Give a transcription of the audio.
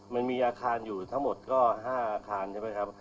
มันมีอาคารอยู่ทั้งหมดก็๕อาคารใช่ไหมครับ